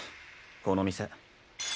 この店。